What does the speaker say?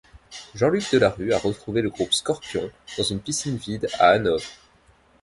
Jean-Luc Delarue a retrouvé le groupe Scorpions dans une piscine vide à Hanovre.